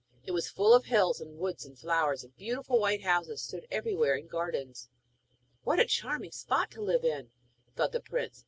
It was full of hills and woods and flowers, and beautiful white houses stood everywhere in gardens. 'What a charming spot to live in,' thought the prince.